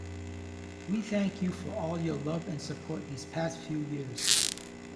We thank you for all your love and support these past few years.